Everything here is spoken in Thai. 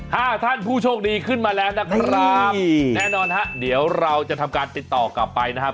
ท่านผู้โชคดีขึ้นมาแล้วนะครับแน่นอนฮะเดี๋ยวเราจะทำการติดต่อกลับไปนะครับ